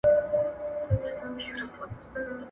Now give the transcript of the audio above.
ولي د شخصي ملکیت حق سپیڅلی دی؟